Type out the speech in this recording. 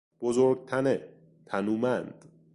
بزرگ تنه، تنومند